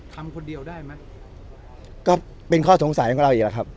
ทำคนเดียวได้ไหมก็เป็นข้อสงสัยของเราอีกแล้วครับ